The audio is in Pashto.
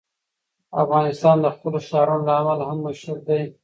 افغانستان د خپلو ښارونو له امله هم مشهور دی.